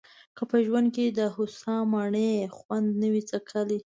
که په ژوند کې دخوسا مڼې خوند نه وي څکلی.